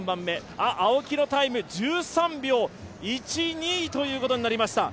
青木のタイム１３秒１２ということになりました。